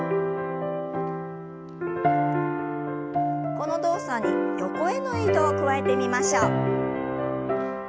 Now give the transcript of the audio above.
この動作に横への移動を加えてみましょう。